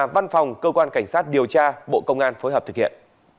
văn phòng cơ quan cảnh sát điều tra bộ công an phối hợp thực hiện